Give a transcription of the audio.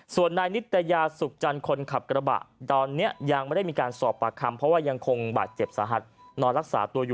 ส่วนนายนิตยาสุกจันคนขับกระบะ